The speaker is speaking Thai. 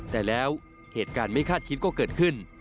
แต่แล้วเหตุการณ์ไม่คาดคิดก็เกิดขึ้น